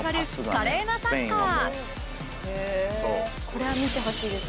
「これは見てほしいですね」